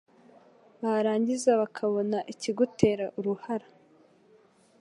barangiza bakabona ikigutera uruhara.